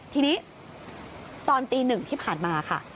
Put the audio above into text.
ทีนี้ตอนตี๑ที่ผ่านมาค่ะ